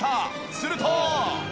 すると。